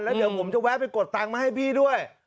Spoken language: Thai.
แล้วเดี๋ยวผมจะแวะไปกดตังค์มาให้พี่ด้วย